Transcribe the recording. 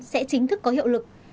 sẽ chính thức có hiệu lực